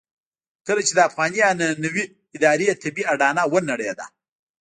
کله چې د افغاني عنعنوي ادارې طبيعي اډانه ونړېده.